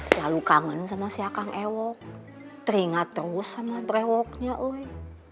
selalu kangen sama si akang ewo teringat terus sama brewoknya ui